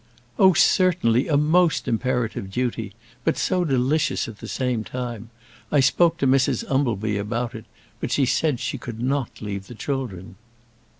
"Oh, certainly, a most imperative duty; but so delicious at the same time. I spoke to Mrs Umbleby about it, but she said she could not leave the children."